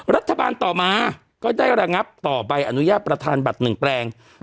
รัฐบาลต่อมาก็ได้ระงับต่อใบอนุญาตประธานบัตร๑แปลง